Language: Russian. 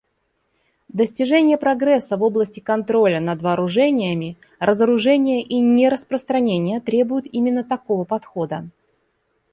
Достижение прогресса в области контроля над вооружениями, разоружения и нераспространения требует именно такого подхода.